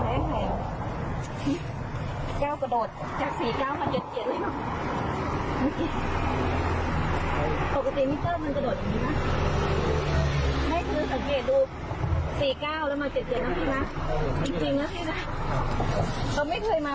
ปกติมิเตอร์มันกระโดดอยู่ที่นี่มั้ยไม่เคยสังเกตดู๔เก้าแล้วมา๗เกือบน้ำมีมั้ยจริงน้ำมีมั้ยมันไม่เคยมาแพงแน่นี้นะ